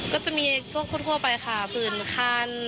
ก็จะมีหัวข้วไปค่ะฝืนคัน